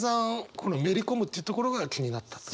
この「めり込む」というところが気になったってこと？